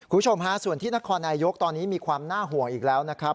คุณผู้ชมฮะส่วนที่นครนายกตอนนี้มีความน่าห่วงอีกแล้วนะครับ